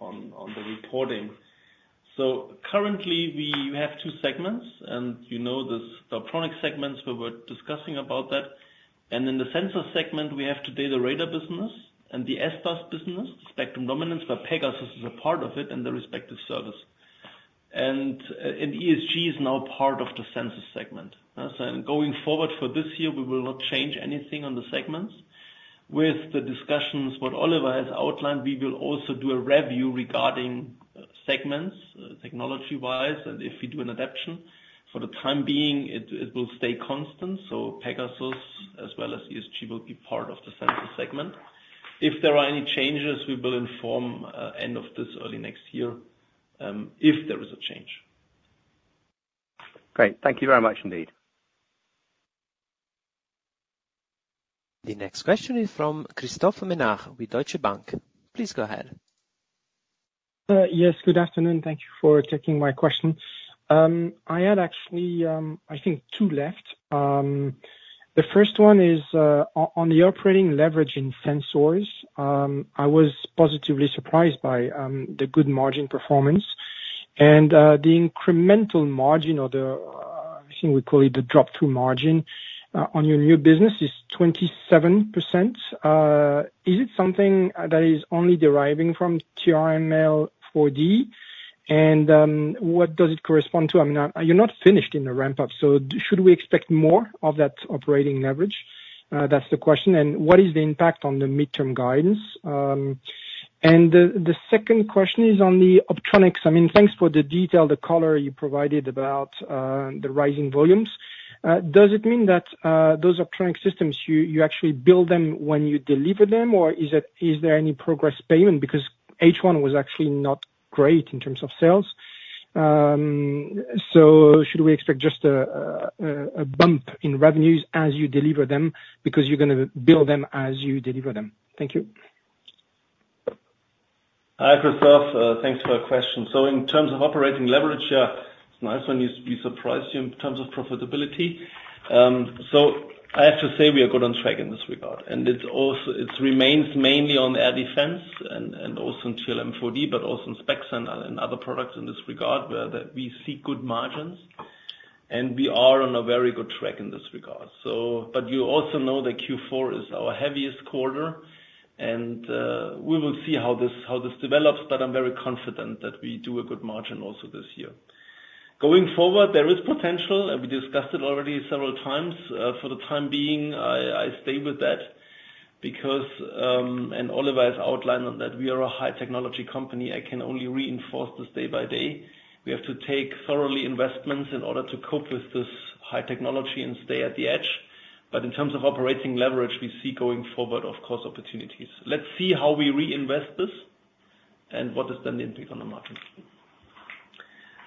on the reporting. So currently, we have two segments, and you know, the product segments, we were discussing about that. In the Sensors segment, we have today the radar business and the SDAS business, Spectrum Dominance, where Pegasus is a part of it and the respective service. ESG is now part of the Sensors segment. So going forward for this year, we will not change anything on the segments. With the discussions what Oliver has outlined, we will also do a review regarding segments, technology-wise, and if we do an adaption. For the time being, it will stay constant, so Pegasus as well as ESG will be part of the Sensors segment. If there are any changes, we will inform end of this early next year if there is a change. Great. Thank you very much indeed. The next question is from Christophe Menard with Deutsche Bank. Please go ahead. Yes, good afternoon. Thank you for taking my question. I had actually, I think two left. The first one is on the operating leverage in sensors. I was positively surprised by the good margin performance and the incremental margin or the, I think we call it the drop-through margin, on your new business is 27%. Is it something that is only deriving from TRML-4D? And what does it correspond to? I mean, you're not finished in the ramp-up, so should we expect more of that operating leverage? That's the question. And what is the impact on the midterm guidance? And the second question is on the optronics. I mean, thanks for the detail, the color you provided about the rising volumes. Does it mean that those optronic systems, you actually build them when you deliver them, or is there any progress payment? Because H1 was actually not great in terms of sales. So should we expect just a bump in revenues as you deliver them because you're gonna build them as you deliver them? Thank you. Hi, Christophe. Thanks for your question. So in terms of operating leverage, yeah, it's nice when you, you surprised you in terms of profitability. So I have to say, we are good on track in this regard, and it's also it remains mainly on air defense and, and also in TRML-4D, but also in SPEXER and, and other products in this regard, where that we see good margins, and we are on a very good track in this regard. So but you also know that Q4 is our heaviest quarter, and we will see how this, how this develops, but I'm very confident that we do a good margin also this year. Going forward, there is potential, and we discussed it already several times. For the time being, I stay with that because and Oliver has outlined on that we are a high technology company. I can only reinforce this day by day. We have to take thoroughly investments in order to cope with this high technology and stay at the edge. But in terms of operating leverage, we see going forward, of course, opportunities. Let's see how we reinvest this and what is the impact on the margins....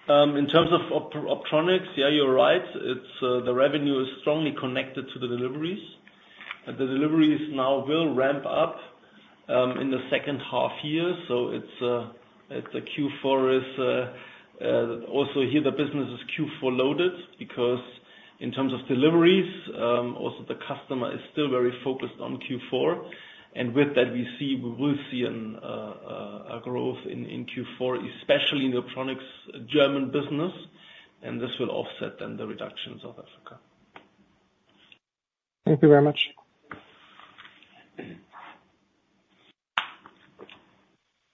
In terms of optronics, yeah, you're right. It's the revenue is strongly connected to the deliveries, and the deliveries now will ramp up in the second half year. So it's a Q4 is also here, the business is Q4 loaded, because in terms of deliveries, also the customer is still very focused on Q4. And with that, we will see a growth in Q4, especially in the optronics German business, and this will offset then the reductions of Africa. Thank you very much.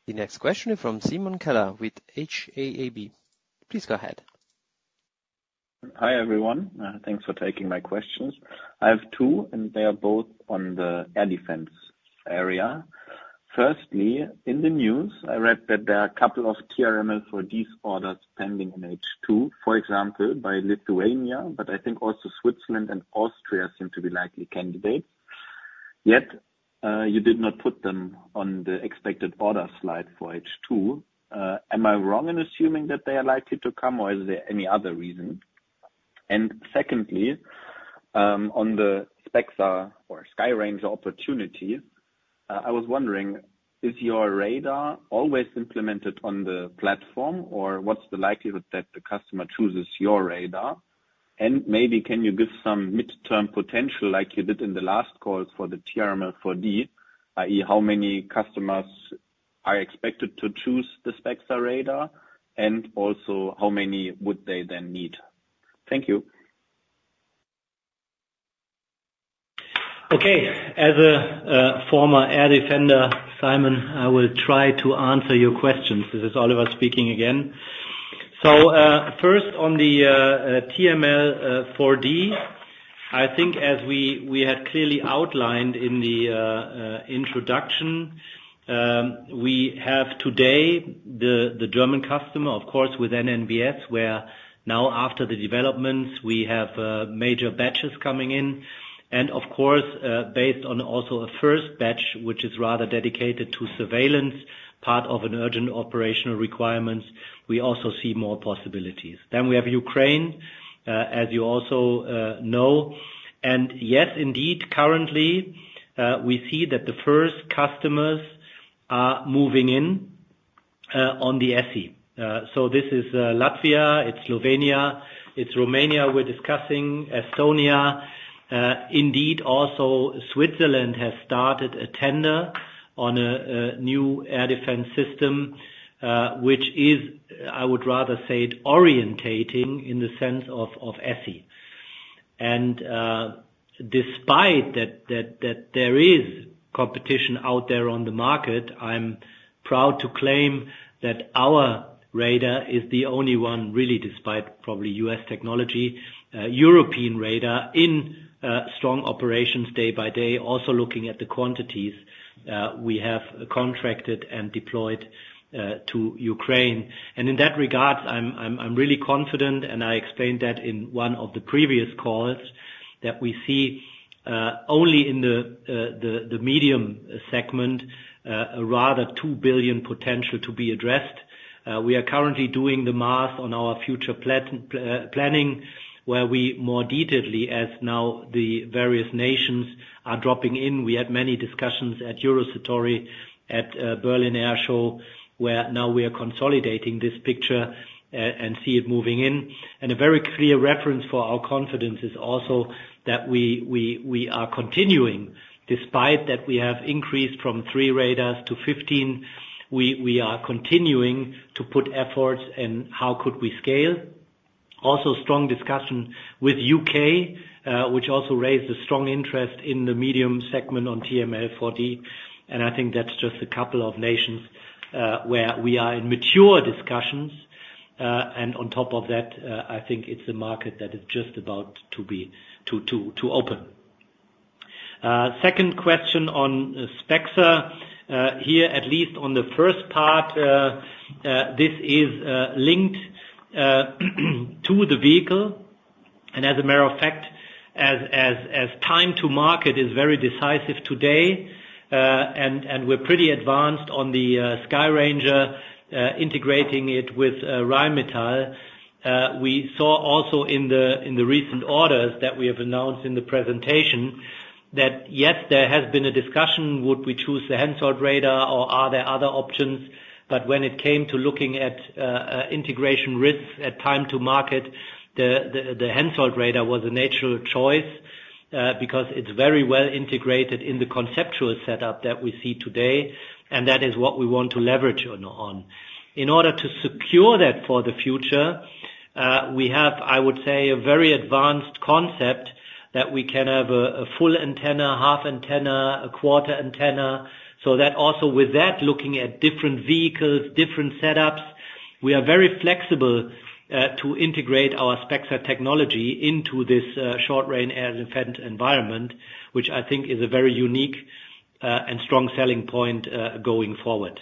The next question is from Simon Keller with HAIB. Please go ahead. Hi, everyone. Thanks for taking my questions. I have two, and they are both on the air defense area. Firstly, in the news, I read that there are a couple of TRML-4D orders pending in H2, for example, by Lithuania, but I think also Switzerland and Austria seem to be likely candidates. Yet, you did not put them on the expected order slide for H2. Am I wrong in assuming that they are likely to come, or is there any other reason? And secondly, on the SPEXER or Skyranger opportunity, I was wondering, is your radar always implemented on the platform, or what's the likelihood that the customer chooses your radar? Maybe can you give some midterm potential, like you did in the last call for the TRML-4D, i.e., how many customers are expected to choose the SPEXER radar, and also how many would they then need? Thank you. Okay. As a former air defender, Simon, I will try to answer your questions. This is Oliver speaking again. So, first on the TRML-4D, I think as we had clearly outlined in the introduction, we have today the German customer, of course, with NNbS, where now after the developments, we have major batches coming in. And of course, based on also a first batch, which is rather dedicated to surveillance, part of an urgent operational requirements, we also see more possibilities. Then we have Ukraine, as you also know, and yes, indeed, currently, we see that the first customers are moving in on the ESSI. So this is Latvia, it's Slovenia, it's Romania, we're discussing Estonia. Indeed, also, Switzerland has started a tender on a new air defense system, which is, I would rather say, orienting in the sense of ESSI. And, despite that, there is competition out there on the market, I'm proud to claim that our radar is the only one, really, despite probably US technology, European radar in strong operations day by day, also looking at the quantities we have contracted and deployed to Ukraine. And in that regard, I'm really confident, and I explained that in one of the previous calls, that we see only in the medium segment a rather 2 billion potential to be addressed. We are currently doing the math on our future planning, where we more detailedly, as now the various nations are dropping in. We had many discussions at Eurosatory, at Berlin Air Show, where now we are consolidating this picture and see it moving in. And a very clear reference for our confidence is also that we are continuing, despite that we have increased from three radars to 15, we are continuing to put efforts in how could we scale. Also, strong discussion with UK, which also raised a strong interest in the medium segment on TRML-4D, and I think that's just a couple of nations where we are in mature discussions. And on top of that, I think it's a market that is just about to open. Second question on SPEXER. Here, at least on the first part, this is linked to the vehicle. And as a matter of fact, as time to market is very decisive today, and we're pretty advanced on the Skyranger, integrating it with Rheinmetall. We saw also in the recent orders that we have announced in the presentation, that yes, there has been a discussion, would we choose the HENSOLDT radar or are there other options? But when it came to looking at integration risks at time to market, the HENSOLDT radar was a natural choice, because it's very well integrated in the conceptual setup that we see today, and that is what we want to leverage on. In order to secure that for the future, we have, I would say, a very advanced concept that we can have a full antenna, half antenna, a quarter antenna. So that also with that, looking at different vehicles, different setups, we are very flexible to integrate our SPEXER technology into this short-range air defense environment, which I think is a very unique and strong selling point going forward.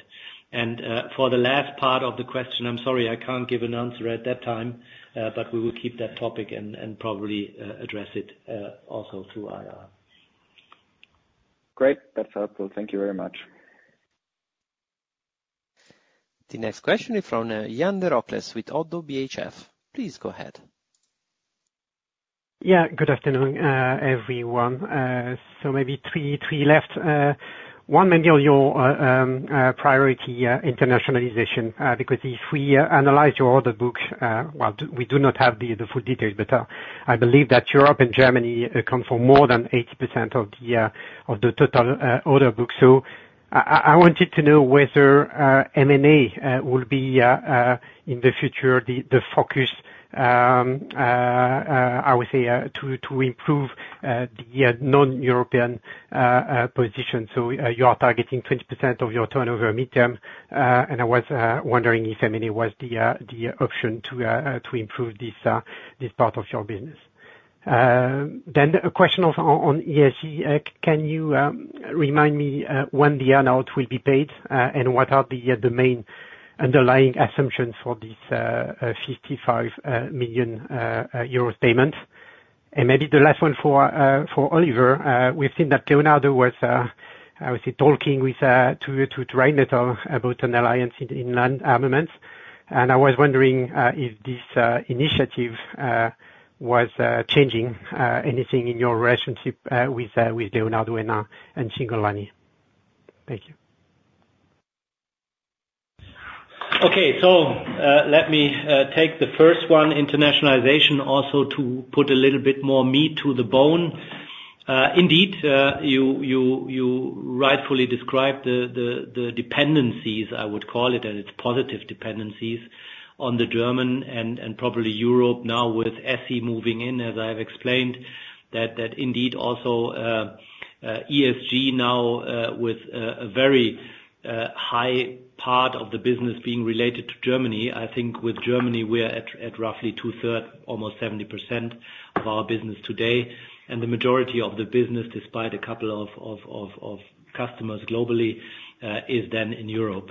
And for the last part of the question, I'm sorry, I can't give an answer at that time, but we will keep that topic and probably address it also to IR. ... Great, that's helpful. Thank you very much. The next question is from Yan Derocles with Oddo BHF. Please go ahead. Yeah, good afternoon, everyone. So maybe three, three left. One, maybe on your priority, internationalization, because if we analyze your order books, well, we do not have the full details, but I believe that Europe and Germany come from more than 80% of the total order book. So I wanted to know whether M&A will be in the future the focus, I would say, to improve the non-European position. So you are targeting 20% of your turnover mid-term, and I was wondering if M&A was the option to improve this part of your business. Then a question on ESG. Can you remind me when the earn-out will be paid, and what are the main underlying assumptions for this 55 million euros payment? And maybe the last one for Oliver. We've seen that Leonardo was, I would say, talking to Rheinmetall about an alliance in land armaments. And I was wondering if this initiative was changing anything in your relationship with Leonardo now and ESG? Thank you. Okay. So, let me take the first one, internationalization, also to put a little bit more meat to the bone. Indeed, you rightfully described the dependencies, I would call it, and it's positive dependencies, on the German and probably Europe now with ESG moving in, as I have explained, that indeed also ESG now with a very high part of the business being related to Germany. I think with Germany, we're at roughly 2/3, almost 70% of our business today. And the majority of the business, despite a couple of customers globally, is then in Europe.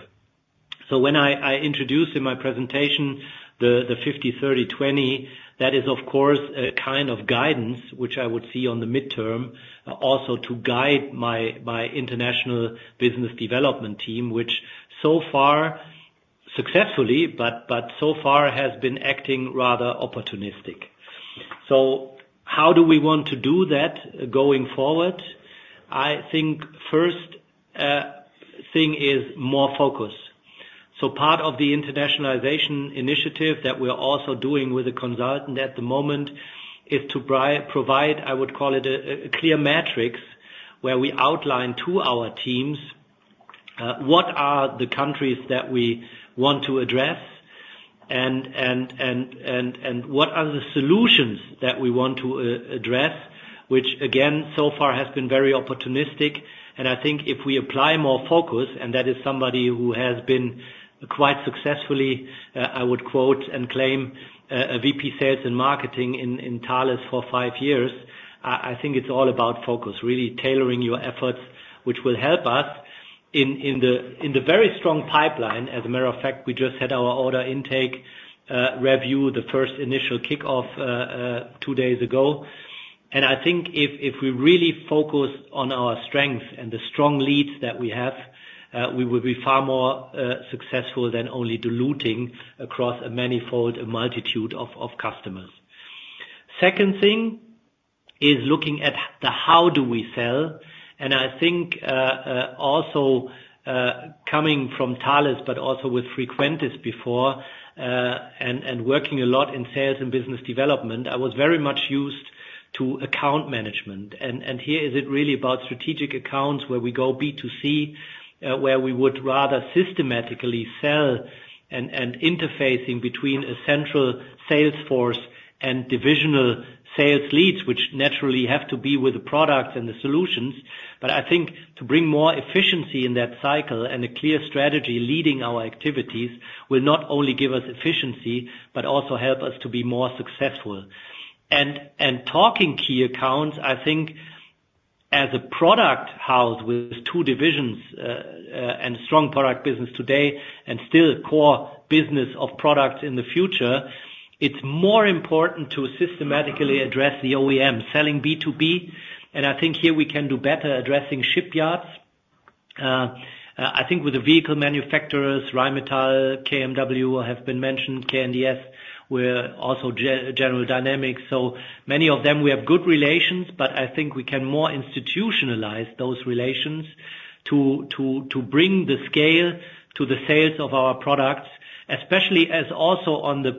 So when I introduced in my presentation, the 50-30-20, that is, of course, a kind of guidance which I would see on the midterm, also to guide my international business development team, which so far successfully, but so far has been acting rather opportunistic. So how do we want to do that going forward? I think first thing is more focus. So part of the internationalization initiative that we're also doing with a consultant at the moment, is to provide, I would call it a clear matrix, where we outline to our teams, what are the countries that we want to address, and what are the solutions that we want to address, which again, so far has been very opportunistic. And I think if we apply more focus, and that is somebody who has been quite successfully, I would quote and claim, a VP sales and marketing in, in Thales for five years, I, I think it's all about focus, really tailoring your efforts, which will help us in, in the, in the very strong pipeline. As a matter of fact, we just had our order intake review, the first initial kickoff, two days ago. And I think if, if we really focus on our strengths and the strong leads that we have, we will be far more successful than only diluting across a manifold, a multitude of, of customers. Second thing, is looking at the how do we sell? And I think, also, coming from Thales, but also with Frequentis before, and working a lot in sales and business development, I was very much used to account management. And here is it really about strategic accounts where we go B2C, where we would rather systematically sell and interfacing between a central sales force and divisional sales leads, which naturally have to be with the products and the solutions. But I think to bring more efficiency in that cycle and a clear strategy leading our activities, will not only give us efficiency, but also help us to be more successful. And talking key accounts, I think as a product house with two divisions, and strong product business today, and still core business of products in the future, it's more important to systematically address the OEM, selling B2B. And I think here we can do better addressing shipyards. I think with the vehicle manufacturers, Rheinmetall, KMW have been mentioned, KNDS, we're also General Dynamics. So many of them, we have good relations, but I think we can more institutionalize those relations to bring the scale to the sales of our products, especially as also on the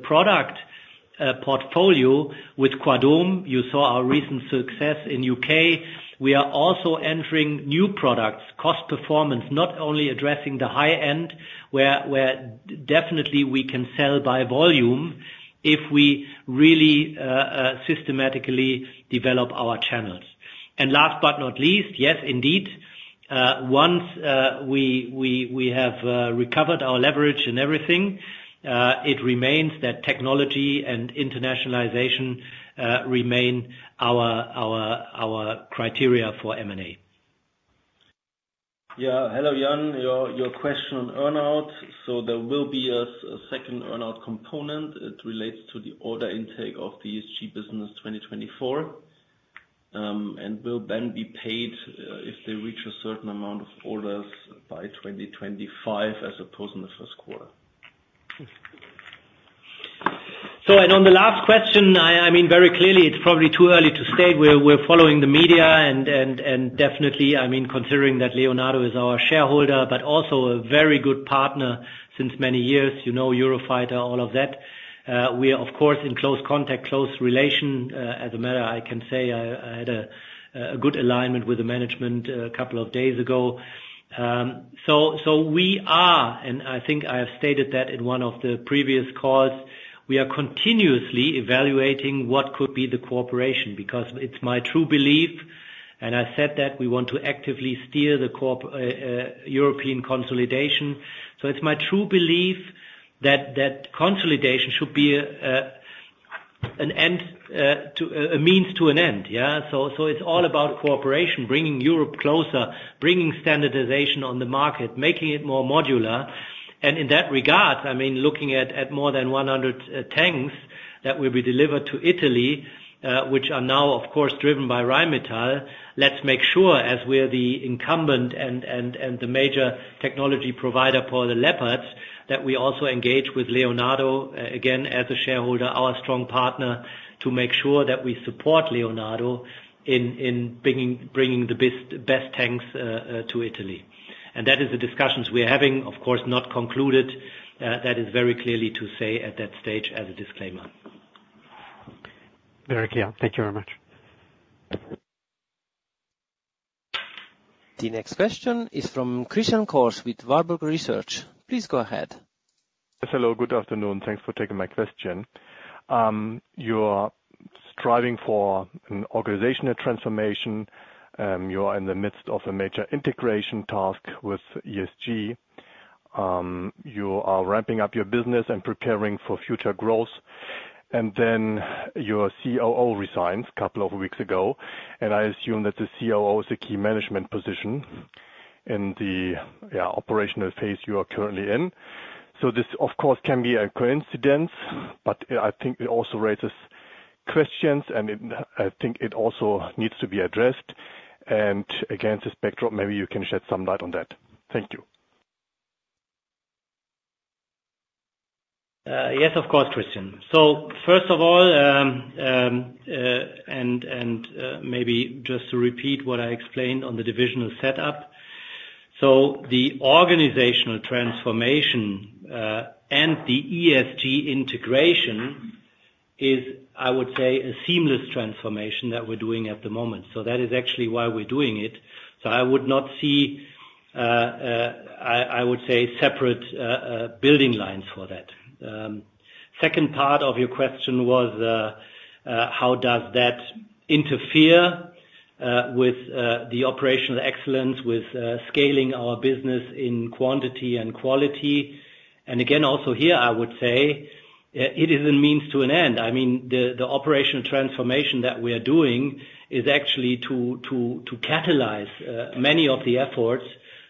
product portfolio with Quadome, you saw our recent success in UK. We are also entering new products, cost performance, not only addressing the high end, where definitely we can sell by volume if we really systematically develop our channels. And last but not least, yes, indeed, once we have recovered our leverage and everything, it remains that technology and internationalization remain our criteria for M&A.... Yeah. Hello, Jan, your question on earn out. So there will be a second earn out component. It relates to the order intake of the ESG business 2024, and will then be paid if they reach a certain amount of orders by 2025, as opposed in the first quarter. On the last question, I mean, very clearly, it's probably too early to state. We're following the media and definitely, I mean, considering that Leonardo is our shareholder, but also a very good partner since many years, you know, Eurofighter, all of that. We are, of course, in close contact, close relation, as a matter, I can say I had a good alignment with the management a couple of days ago. So we are, and I think I have stated that in one of the previous calls, we are continuously evaluating what could be the cooperation. Because it's my true belief, and I said that we want to actively steer the European consolidation. So it's my true belief that consolidation should be an end to a means to an end, yeah? So it's all about cooperation, bringing Europe closer, bringing standardization on the market, making it more modular. And in that regard, I mean, looking at more than 100 tanks that will be delivered to Italy, which are now, of course, driven by Rheinmetall. Let's make sure, as we're the incumbent and the major technology provider for the Leopards, that we also engage with Leonardo, again, as a shareholder, our strong partner, to make sure that we support Leonardo in bringing the best tanks to Italy. And that is the discussions we are having, of course, not concluded. That is very clearly to say at that stage as a disclaimer. Very clear. Thank you very much. The next question is from Christian Cohrs with Warburg Research. Please go ahead. Hello, good afternoon. Thanks for taking my question. You're striving for an organizational transformation, you are in the midst of a major integration task with ESG. You are ramping up your business and preparing for future growth, and then your COO resigned a couple of weeks ago, and I assume that the COO is a key management position in the, yeah, operational phase you are currently in. So this, of course, can be a coincidence, but, I think it also raises questions, and it, I think it also needs to be addressed. And against this backdrop, maybe you can shed some light on that. Thank you. Yes, of course, Christian. So first of all, maybe just to repeat what I explained on the divisional setup. So the organizational transformation and the ESG integration is, I would say, a seamless transformation that we're doing at the moment. So that is actually why we're doing it. So I would not see, I would say, separate building lines for that. Second part of your question was, how does that interfere with the operational excellence, with scaling our business in quantity and quality? And again, also here, I would say, it is a means to an end. I mean, the operational transformation that we are doing is actually to catalyze many of the efforts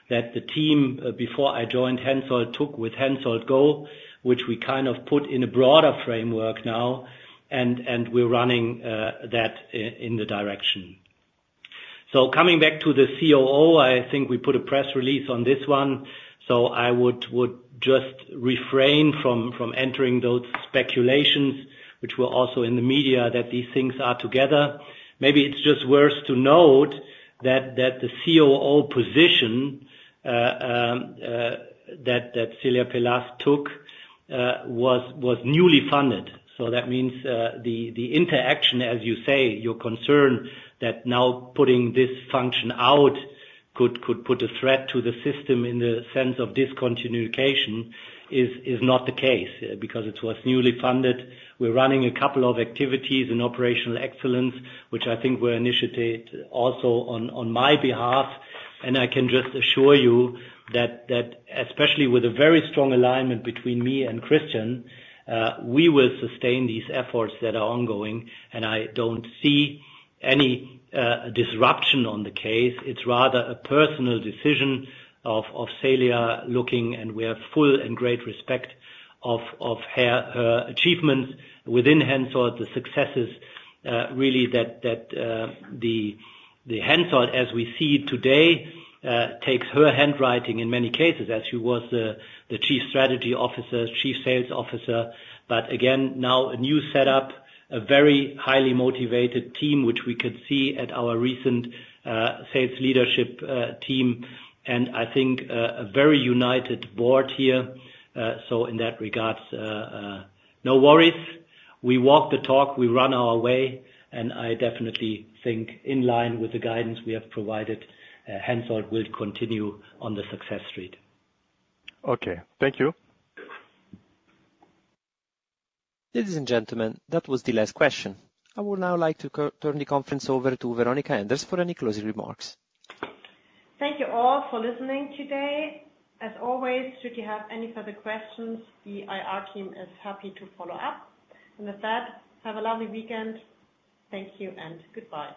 that the team before I joined HENSOLDT took with HENSOLDT Go, which we kind of put in a broader framework now, and we're running that in the direction. So coming back to the COO, I think we put a press release on this one. So I would just refrain from entering those speculations, which were also in the media, that these things are together. Maybe it's just worth to note that the COO position that Celia Pelaz took was newly funded. So that means, the interaction, as you say, your concern, that now putting this function out could put a threat to the system in the sense of discontinuation, is not the case, because it was newly funded. We're running a couple of activities in operational excellence, which I think were initiated also on my behalf. And I can just assure you that especially with a very strong alignment between me and Christian, we will sustain these efforts that are ongoing, and I don't see any disruption on the case. It's rather a personal decision of Celia looking, and we have full and great respect of her achievements within HENSOLDT, the successes really that the HENSOLDT, as we see it today, takes her handwriting in many cases, as she was the Chief Strategy Officer, Chief Sales Officer. But again, now, a new setup, a very highly motivated team, which we could see at our recent sales leadership team, and I think a very united board here. So in that regards, no worries. We walk the talk, we run our way, and I definitely think in line with the guidance we have provided, HENSOLDT will continue on the success street. Okay. Thank you. Ladies and gentlemen, that was the last question. I would now like to turn the conference over to Veronika Endres for any closing remarks. Thank you all for listening today. As always, should you have any further questions, the IR team is happy to follow up. And with that, have a lovely weekend. Thank you and goodbye.